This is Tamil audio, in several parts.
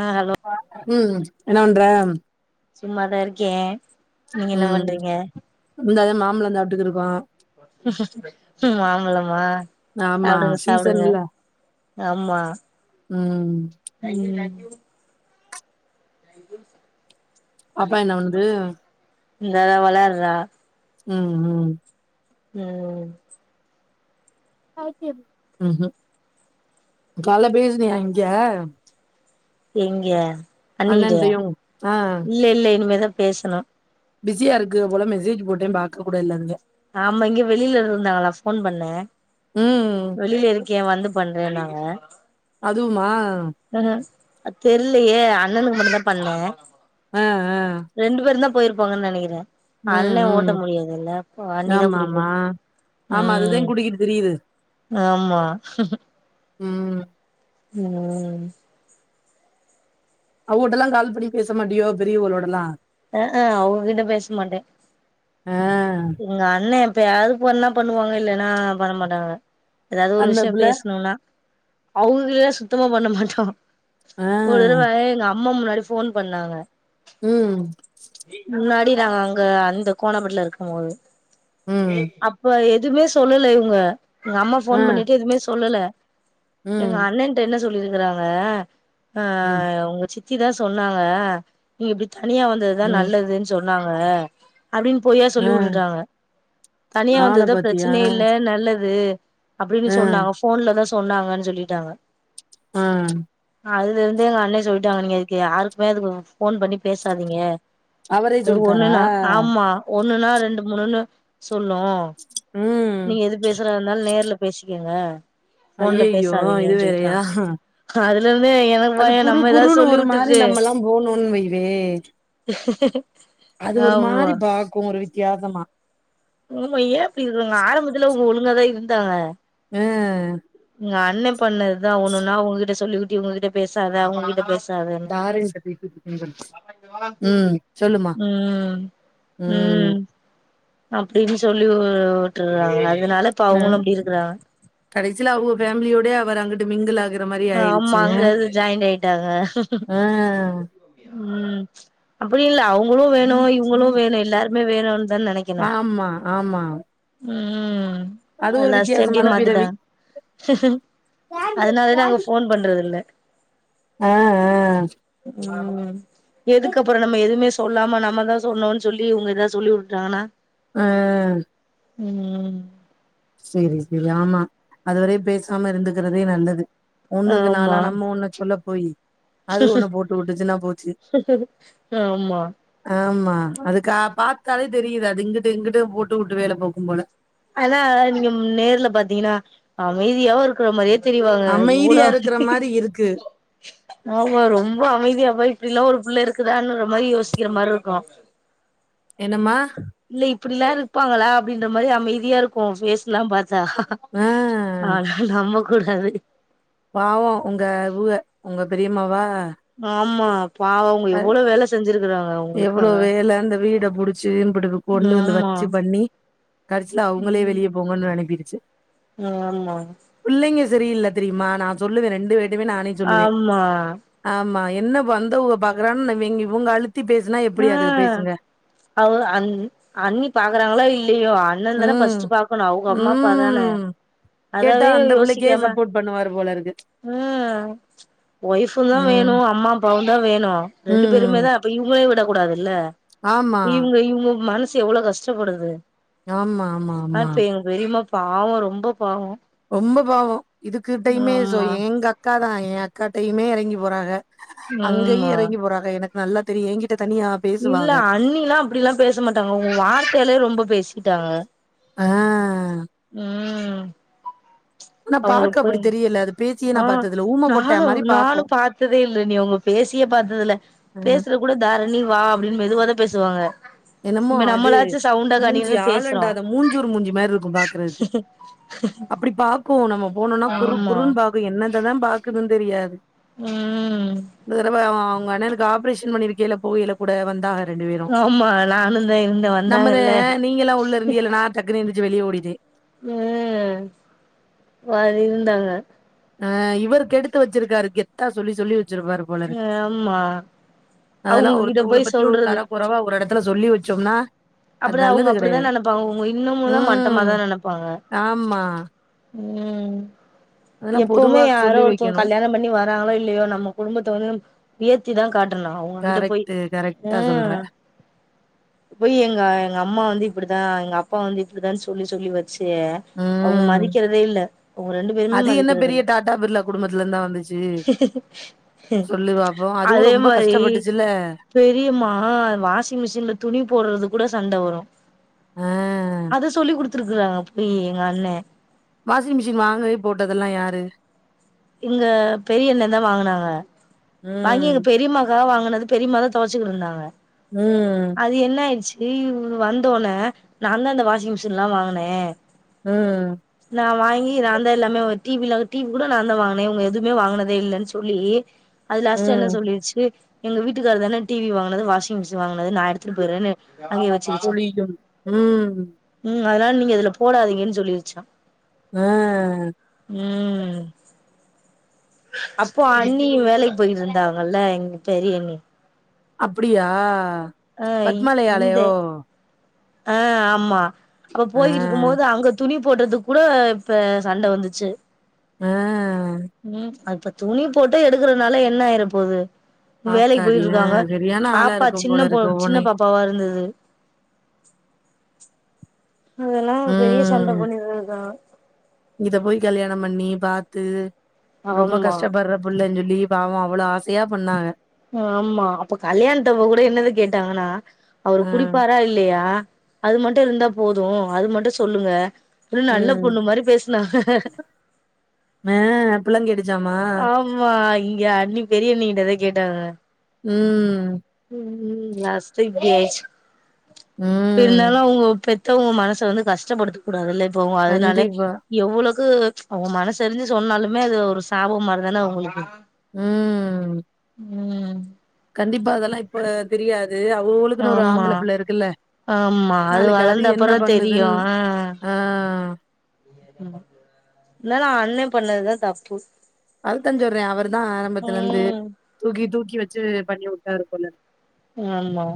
ஆஹ் ஹலோ உம் என்ன பண்றெ சும்மாதா இருக்கேன் நீங்க என்ன பண்றீங்க இந்தா தே மாம்பழம் சாப்ட்டுக்கு இருக்கோம் மாம்பழமா ஆமா சாப்டுங்க சாப்டுங்க சீசன்ல ஆமா உம் உம் தேங்க யூ அப்பா என்னபந்து இந்தாத வெளயாட்றா உஹம் உஹம் உம் ஹுஹும் கால பேசுனியா இங்கே எங்கே அண்ணிக்கிட்டயா ஆ இல்ல இல்ல இனிமேதாப் பேசுனும் பிஸியா இருக்குத போல மெசேஜ் போட்டேன் பாக்க கூட இல்ல அங்க ஆமா இங்க வெளியில இருந்தாங்களா போன் பண்ணேன ம் வெளியில இருக்கேன் வந்து பண்றேன் நா அ அதுவுமா அத் தெர்லயே அண்ணனுக்கு மட்டுதா பண்ணோ ஆ ஆ ரெண்டு பேருந்தா போயிர்ப்பாங்கன் நெனக்கிற ம் ம் அண்ணிதா கூட்டிட்டு ஆமாம்மா போயிரு ஆமா அதுதே ம் குடிக்கிர் தெரிது ஆமா ம் ம் அவுங்குட்டலா கால் பண்ணி பேச மாட்டியோ பெரியவுங்களோடலா அ ஹ அவுங்கிட்ட பேஸ் மாட்ட ஆ இங்க அண்ண ப்பயாது ஃபோன்னா பண்ணுவாங்க இல்லனா பண்ண மாட்டாங்க ஏதாது ஒரு அந்த விஷ்ய புள்ள பேஸ்ணுனா அவுங்குகியே சுத்தமா பண்ண மாட்டா ஆ ஒரு தடவ எங்க அப் அம்ம முன்னடி ஃபோன் பண்ணாங்க ம் முன்னாடி நாங்க அங்க அந்த கோணாபட்ல இருக்குமோது ம் அப்ப எக் துமே சொல்லல இவ்ங்க எங்க அம்மா ஃபோன் ஆ பண்ணிட்டு எதும்மே சொல்லல எங்க ம் அண்ணன்ட்ட என்ன சொல்லிருக்குறாங்க அ ம் அ உங்க சித் சி தா சொன்னாங்க நீங்க இப்டி தனியா தா ம் நல்லதுன் சொ உன்னாங்க அப்டின் பொய்யா ஆ சொல்லி குடுத்துடாங்க தனியா ஆள வந்தத பாத்தியா ப்ரச்சனே இல்ல நல்லது அப்புடின்னு ஆ சொன்னாங்க ஃபோன்லதாஸ் சொன்னாங்கன் சொல்லிட்டாங்க அ அதுலேந்தே எங்க அண்ண சொல்ட்டாங்க நீங்க எதுக்கு யாருக்குமே அதுக்கு ஃபோன் பண்ணி பேசாதீங்க அவரே அது சொல்ட்டாரா ஒன்னுனா ஆமா ஒ ஒன்னுனா ரெண்டு மூணுன்னு சொல்லு ம் நீங்க எது பேசுறதா இர்ந்தாலு நேர்ல பேசிக் ஏங்க போன்ல ஐயையோ இது பேசாதீங்கன் சொல்ட்டா வேறயா அதுல இருந்தே எனக்கு அது பய குறு நம்ம எதாது சொல்லி வுட்டுட்டு மே அது ஒரு ஆமா மாரி பாக்கு ஒரு வித் தியாசமா ம் ஏ அப்டி இருக்காங்க ஆரம்பத்துல அவங்க ஒழுங்கா தா இருந்தாங்க அ எங்க அண்ண பொண்ணு தா ஒன்னு ஒன்னா ஒங்ககிட்ட சொல்லிக்குட்டி இவங்க கிட்ட பேசாத அவங்ககிட்ட பே ம் சொல்லுமா ம் ம் அப்டின் சொல்லி வுட்டுறாங்க அதனால இப்ப அவுங்களு அப்டி இருக்குறாங்க கடசில அவங்க ஃபேமிலியோட அவர் அங்கிட்டு மிங்கில் ஆகு ஆமா அங்க அது ஜாய்ண்ட் ஆயிட்டாங்க ஆ ம் அப்டி இல்ல அவுங் களு வேணு இவுங்களு வேணு எல்லாருமே வேணு தா நெனைக்கணு ஆமா ஆமா ம் அது ஒரு லாஸ்ட்டா இப்டி வித்தியாசமான மாத்திட்ட பிறவி அதனா தா அங்க கிறதுல்ல அ அ ம் எதுக்கு அப்பறோ நம்ம எதுமே சொல்லாம நம்மதா சொன்னொன் சொல்லி இவங்க எதா சொல்லி உட்டாங்கனா அ ம் சேரி சேரி ஆமா அதுவரையு பேசாம இருந்துக்கிறதே நல்லது ஒண்ணு ஆமா இதனால நம்ம ஒண்ண சொல்ல பொய் அது ஒண்ண போட்டு உட்டுச்சுன்னா போச்சு ஆமா ஆமா ஆ அது கா பாத்தாலே தெரியுது அது இங்கட்டு இங்கிட்ட போட்டு உட்டு வேல பாக்கும் போல ஆனா நீங்க நேர்ல பாத்தீங்கன்னா அமைதியாவே இருக்கிற மாரியே தெரிவாங்க அமைதியா எவ்வளோ இருக்கிற மாரி இருக்கு ஆமா ரொம்ப அமைதியா போய் அப்டில்லா ஒரு புள்ள இருக்குதான்ற மாரி யோசிக்கிற மாரி இருக்கு என்னம்மா இல்ல இப்டில்லா இருப்பாங்களா அப்டின்ற மாரி அமைதியா இருக்கு ஃபேஸ்ல்லா பாத் தா ஆ ஆனா நமக் கூடாது பாவோ ஒங்க இவுக ஒங்க பெரியம்மாவா ஆமா பாவம் அ எவ்ளோ வேல செஞ்சிருக்குறா எவ்ளோ வேல இந்த வீட புடிச்சு இம்புடு கொண்டு வந்து ஆமா வச்சு பண்ணி கடசில அவுங்களே வெளிய போங்குனு அனுப்பிட்டு அ ஆமா தெரியில தெரியுமா நா சொல்லுவே ரெண்டு பேர் திமே நானே சொல்லுவே ஆமா ஆமா என்ன வந்தவுங்க பாக்குரான் வீங் இவுங்க அழுத் ஆ அவ அ அண்ணி பாக்குறாங்களோ இல்லையோ அண்ணந்தானே ம், ஃபர்ஸ்ட் பாக்கனு அவங்க அம்மா அப்பாதான ம். கேட்டா அதவே அந்த பிள்ளைக்கே யோசிக்காம சப்போர்ட் பண்ணுவாரு போல இருக்கு. ம் ஒய்ஃப்ந்தா ம், வேணு அம்மா அப்பாவுந்தா வேணு ரெண்டு ம். பேருமேதா அப்ப இவுங்க விட கூடாதுல்ல ஆமா, இவுங்க இவுங்க மனசு எவ்ளோ கஷ்டப்படுது ஆமா ஆமா ஆமா பாவ ரொம்ப பாவ ரொம்ப பாவ இதுக்கிட்டயுமே சோ ஆமா எங்கக்காதா எ அக்காட்டயுமே எறங்கி போறாக அங்கயு ஆமா எறங்கி போறாக எனக் நல்லா தெரியு எங் இல்ல அண்ணிலா அப்டிலா பேச மாட்டாங்க உங்க வார்த்தைலயே ரொம்ப பேசி ட்டாக ஆ ம் ஆனா பாக்க அவங்களுக்கு அப்புடி போய் தெரியல அது பேசியே ஆ நா பாத்ததுல்ல ஊம கொட்டா நானு மரி பாக்கு நானு பாத்ததே இல்ல நீ அவ்ங்க பேசிய பாத்ததுல பேசுற கூட தாரணி வா அப்டின்னு மெதுவாதா பேசுவாங்க என்னமோ இப்ப அது நம்மளாச்சு சவுண்டா மூஞ்சி கணீர்னு பேசுறோ ஆலண்டாத மூஞ்சூர் மூஞ்சி மேரி இருக்கு பாக்குறத்க்கு அப்டி பாக்கு நம்ம போனோனா குறு ஆமா குறுன் பாக்கு என்னன் இததா பாக்குதுன் தெரியாது ம் இந்த தரவ ஆ உங்க அண்ணனுக்கு ஆப்ரேஷன் பண்ணிருக்கல போகையில கூட வந்தாக ரெண்டு பேரு ஆமா நானுந்தா இருந்தே நம்மத வந்தாங்கல்ல நீங்க எல்லா உள்ள இருந்தீல்ல நா டக்குனு வெளிய ஓடிட்ட உம் அ இருந்தாங்க ஆஹ் இவரு கெடுத்து வெச்சிருக்காரு கெத்தா சொல்லி சொல்லி வெச்சிருப்பார் போல இருக்கு ஆமா அதெல்லா அவங்ககிட்ட ஒருத்தவங்கள போய் பத்தி ஒரு தர சொல்றது குறைவா ஒரு எடத் துல சொல்லி வெச்சோம்னா அப்புறோ அவுங்க அப்படிதா நினைப்பாங்க அவுங்க இன்னமும்தா ம் மட்டமாதா நினைப்பாங்க ஆமா உம் அதெல்லா எப்பவுமே பொதுவா யாரோ சொல்லி ஒருத்தவங்க வைக்கணு கல்யாணம் பண்ணி வராங்களோ இல்லையோ நம்ம குடும்பத்தை வந்து உயர்த்திதா காட்டுனு அவுங்க கிட்ட போய் கரெக்ட் கரெக்டா சொல்ற உஹ் போய் எ எங்க அம்மா வந்து இப்படிதா எங்க அப்பா வந்து இப்படிதானு சொல்லி சொல்லி வெ ச்சு அவுங்க ம் மதிக்கிறதே இல்ல அவுங்க ரெண்டு பேருமே அது என்ன மதிக்கிறது பெரிய இல்ல டாடா பிர்லா குடும்பத்துல இருந்தா வந்துச்சு சொல்லு பாப்போ அதுவு அதே ரொம்ப மாரி கஷ்டப்பட்டுச்சுல்ல பெரியம்மா வாஷிங் மிஷின்ல துணி போடுறதுக் கூட சண்ட வரு ஆ அத சொல்லி குடுத்துருக்குறாங்க போய் எங்க அண்ண வாஷிங் மிஷின் வாங்கவே போட்டதெல்லா யாரு எங்க பெரிய அண்ணத வாங்குனாங்க வாங்கி ம் இங்க பெரியம்மாக்காக வாங் கினது பெரியம்மாதா துவச்சிக்கிட்டு இருந்தாங்க ம் அது என்ன ஆயிருச்சு து வந்தோன்ன நான்தா இந்த வாஷிங் மிஷின் எல்லா வாங்கின உம் நா வாங்கி நான்தா எல்லாமே ஒரு டி வில்ல டி வி கூட நான்தா வாங்கினேன் இவுங்க எதுவுமே வாங்கினதே இல்லனு சொல்லி அது லாஸ்டா என்ன ம் சொல்லிருச்சு எங்க வீட்டுக்காரதானே டி வி வாங்குனது வாஷிங் மிஷின் வாங்கினது நா எடுத்துட்டு போய்ற பொழியும் உம் ம் அதனால நீங்க இதுல போடாதீங்கனு சொல்லிருச்சா ஆ உம் அப்போ அண்ணி வேலைக் கு போய்ட்டு இருந்தாங்கல்ல எங்க பெரியண்ணி அப்படியா பத்மாலயாலயோ ஆஹ் ஆமா அப்ப ஆ போயிட்டு இருக்கும்போது அங்க துணி போடுறதுக் கூட இப்ப சண்ட வந்துச்சு ஆ ம் அதுப்ப துணி போட்டு எடுக்கறனால என்ன ஆயிர போது வேலைக் ஆத்தாடி ஆ போயிட்ருக்காங்க சரியான ஆளா பாப்பா இருக்கும் சின்ன போல பொ இருக்கு சின்ன ஒவ்வொன்னையு பாப்பாவா இருந்துது அதெல்லா பெரிய சண்ட ம் பண்ணிர்கா இத போய் கல்யாணம் பண்ணி பாத்து ரொம்ப ஆமா கஷ்டப்பற புள்ளஞ் சொல் லீவ் ஆவு அவ்வளோ ஆசையா பண்ணாக ஆமா அப்ப கல்யாண்த்தப்ப கூட என்னத கேட்டாங்கன்னா அவரு ஆ குடிப்பாரா இல்லையா அது மட்டு இருந்தா போது அது மட்டு சொல்லுங்க ப்புன் நல்ல ம் பொண்ணு மாரி பேசுனாக ஆ புள்ளங்கெடுச்சாமா ஆமா இங்க அண்ணி பெரிய அண்ணி கிட்டதா கேட்டாங்க ம் ம் லாஸ்டைம் [unintelligible] இருந்தாலு ம் அவங்கோ பெத் த்தவங்க மனச வந்து கஷ்டபடுத்தக் கூடாதுல்ல போகு அதனால கண்டிப்பா எவ்ளோ க்கு அவங்க மனசரிஞ்சு சொன்னாலுமே அது ஒரு சாபம் மார்தானே அவங்ளுக்கு ம் ம் கண்டிப்பா அதெல்லா இப்ப தெரியா து அவுவுளுக்குன்னு ஒரு ஆமா ஆம்பள பிள்ள இருக்குல்ல ஆமா நாளைக்கு அது வளர்ந்த என்ன அப்புறோ தெரியு பண்ணுதுன் ஆஹ் ந்தாலு அண்ணெ பண்ணதுதா தப்பு அதுத்தாஞ் சொல்றே அவரு தா ஆரம்பத்துலருந்து ம் தூக்கி தூக்கி வச் சு பண்ணி வுட்டாரு போல ஆமா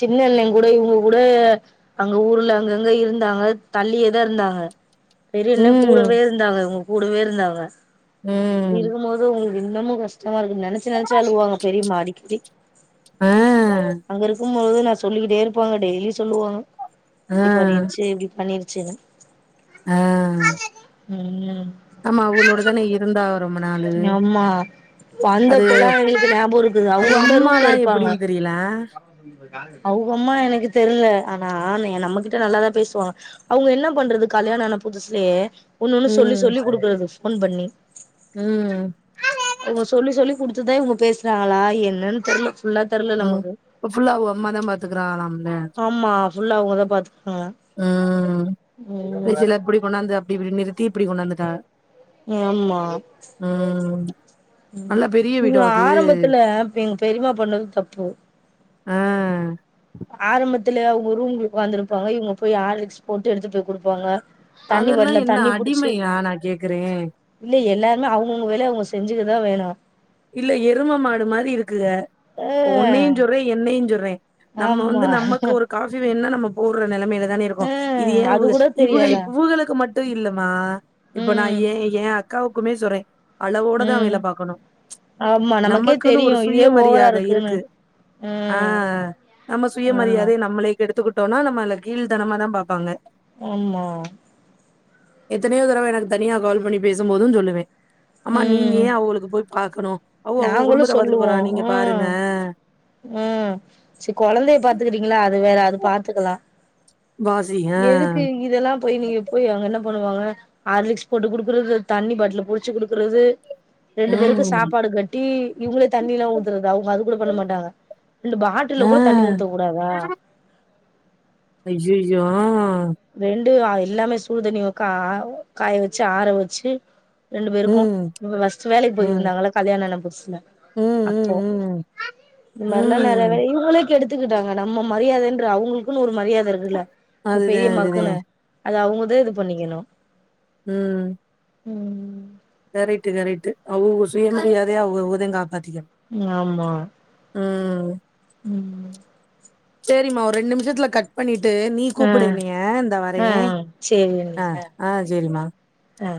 சின்ன அண்ணேங் கூட இவங்க கூட அங்க ஊர்ல அங்கங்க இருந்தாங்க தள்ளியேதா இருந்தாங்க பெரிய அண்ணே ம். கூடவேருந்தாங்க கூடவேருந்தாங்க ம். இருக்கும்போது உங் இன்னமு கஷ்ட் டமா இருக்கு நெனச்சு நெனச்சு அழுவாங்க பெரியமா அடிக்கடி ஆ. அங்க இரு கும் போது நா சொல்லிகிட்டே இருப்பாங்க டெய்லி சொல்லுவாங்க ஆ. ப்டி பண்ணிருச்சு இப்டி பண்ணிரு செணம் ஆ ம் ஆமா அவங்களோட தானே இருந்தா ரொம்ப நாளு. ஞாமா அது வந்தப்பல்லா எங்களுக்கு ஞாபோ இருக்குது அவங்க அவ உள்ள ரூம்ல அம்மாலாம் இருப்பாங்க எப்படின்னு தெரியல. அவங்க அம்மா எனக்கு தெரில ஆனா ஆனே நம்ம கிட்ட நல்லாதா பேசுவாங்க அவங்க என்ன பண்றது கல்யாண ஆன புதுசுலயே ஒன்னு ஒன்னு சொல்லி ம். சொல்லி குடுக்குறது ஃபோன் பண்ணி ம் அவுக சொல்லி சொல்லி குடுத்துதா இவங்க பேசுறாகளா என்னன்னு தெரில உம் ஃபுல்லா அவங்க அம்மாதா பாத்துக்கறாங்களாம்ல ஆமா ஃபுல்லா அவங்கதா பாத்துக்குவாங்க ம் ம் திருச்சில இப்டி கொண்டாந்த இப்டி நிறுத்தி இப்டி கொண்டாந்துட்டாக ஆமா நல்ல பெரிய இவங்க வீடோ அது? ஆரம்பத்துல எங்க பெரியமா பண்ணது தப் போ ஆ ஆரம்பத்துல அவங்க ரூம்களுக்கு உக்காந்துருப்பாங்க இவங்க போய் ஆர்லிக்ஸ் போட்டு எடுத்து போய் குடுப்பாங்க தண்ணி அதெல்லா வரல என்ன தண்ணி புடிச்சு அடிமையா நா கேக்குறேன்? இல்ல எல்லாமே அவங்கவுங்க வேலைய அவங்க செ செஞ்சுக்கதா வேணு இல்ல எரும மாடு மாரி இருக் க்குகே ஆ உன்னையுஞ்சொல்றே என்னையுஞ்சொல்றே நம்ம ஆமா வந்து நம்ம வந்து ஒரு காபி வேணும்னா நம்ம ஊர நெலமேய்லே தான இருக்கு ஆ இது ஏ அது இவகே கூட ஏ தெரியாதா இவகளுக்கு மட் ட்டு இல்லமா இப்ப நா ம் ஏ ஏ அத் அக்காவுக்குமே சொல்றே அளவோட தா ம் வேல பாக்கணு ஆமா நமக்கே நமக்குன்னு தெரியு ஒரு இதுவே ஓவரா சுயமரியாத இருக்குன்னு இருக்கு ஆ ம் நம்ம ஆமா சுயமரியாதைய நம்மளே எடுத்துக்கிட்டோனா நம்ம அந்த கீழ் தனமா தா பாப்பாங்க ஆமா எத்தனயோ தடவ எனக்கு தனியா கால் பண்ணி பேசும் போது சொல்லுவவே ஆமா நீங்கே ம் அவோளுக்கு போயி பாக்கணு நாங்களு சொல்லுவோ ம் ம் செரி கொழந்தைய பாத்துக்கறீங்களா அது வேற அது பாத்துக்கலா வாசிக எதுக்கு இதெல்லா போய் நீங்க போய் அங்க என்ன பண்ணுவாங்க ஆர்லிக்ஸ் போட்டு குடுக்குறது தண்ணி பாட்டல புடிச்சு குடுக்குறது ரெண்டு பேருக்கு ம் சாப்பாடு கட்டி இவங்களே தண்ணில்லா ஊத்துறது அவங்க அது கூட பண்ண மாட்டாங்க ரெண்டு பாட்டுல்ல ஆ, கூட தண்ணி ஊத்த கூடாதா ஐயயோ ஆ [unintelligible] [unintelligible] எல்லாமே சூடுதண்ணி கா காய வச்சு ஆற வச்சு ரெண்டு பேருக்கும ம், ஃபர்ஸ்ட் வேலைக்கு ம், போயிருந்தாங்க இல்ல கல்யாணம் ஆன புது ம், [unintelligible] ம், அப்போ ம், இந் மாரி லா நெறைய ம். [unintelligible] இவங்களே கெடுத் க்கிட்டாங்க நம்ம மரியாதைன்ற அவங்களுக்குன்னு ஒரு மரியாதை இருக்குல அதுதான், பெரியமா அதுதான். க்குன்னு அது அவங்கதா இது பண்ணிக்கணு [inaudible] கரக்ட்டு கரக்ட்டு அவங்க சுயமரியாதைய அவுங்கவுங்க தா கா பாத்திகணு ஆமா ம் ம் சேரிமா ஒரு ரெண்டு நிமிஷத்துல கட் பண்ணிட் ட்டு நீ ஆ கூப்டு என்னையா ந்த ஆ வரறே சேரி அண்ணி ஆ ஆ சேரிமா ஆ